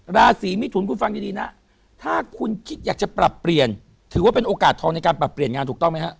ราศีมิถุนคุณฟังดีนะถ้าคุณคิดอยากจะปรับเปลี่ยนถือว่าเป็นโอกาสทองในการปรับเปลี่ยนงานถูกต้องไหมฮะ